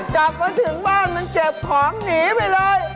กลับมาถึงบ้านมันเก็บของหนีไปเลย